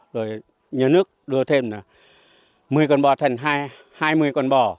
rồi nhà nước đưa thêm một mươi con bò thân hai mươi con bò